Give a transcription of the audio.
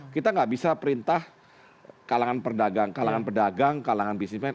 kita gak bisa perintah kalangan perdagang kalangan bisnismen